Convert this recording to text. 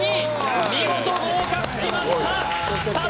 ２見事合格しました